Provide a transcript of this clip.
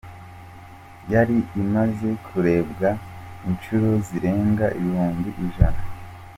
Yari imaze kurebwa inshuro zirenga ibihumbi ijana.